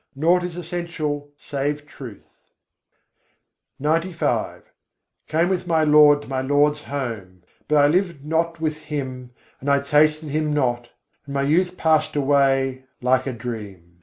naught is essential save Truth." XCV I. 109. sâîn ke sangat sâsur âî Came with my Lord to my Lord's home: but I lived not with Him and I tasted Him not, and my youth passed away like a dream.